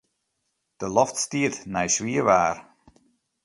De loft stiet nei swier waar.